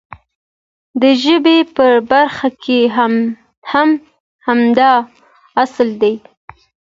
د ژبې په برخه کې هم همدا اصل دی.